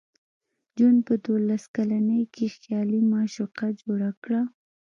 جون په دولس کلنۍ کې خیالي معشوقه جوړه کړه